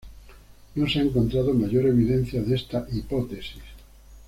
No se ha encontrado mayor evidencia de esta hipótesis.